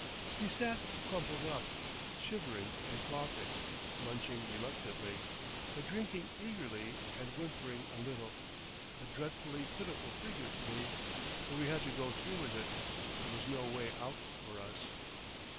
He sat crumpled up, shivering and coughing, munching reluctantly, but drinking eagerly, and whimpering a little, a dreadfully pitiful figure to me. But we had to go through with it; there was no way out for us.